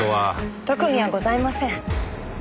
特にはございません。